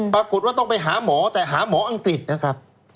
ปรากฏว่าต้องไปหาหมอแต่หาหมออังกฤษนะครับ